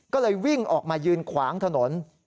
ก็เลยวิ่งออกมายืนขวางถนน